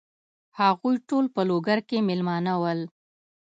هغوی ټول په لوګر کې مېلمانه ول.